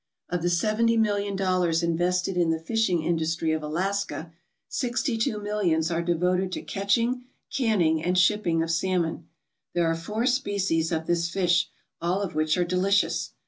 Of the seventy million dollars invested in the fishing industry of Alaska sixty two millions are devoted to catching, canning, and shipping of salmon. There are four species of this fish, all of which are delicious.